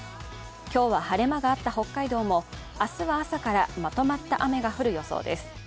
今日は晴れ間があった北海道も、明日は朝からまとまった雨が降る予想です。